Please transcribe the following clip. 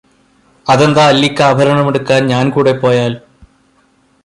അതെന്താ അല്ലിക്ക് ആഭരണമെടുക്കാൻ ഞാൻ കൂടെ പോയാൽ?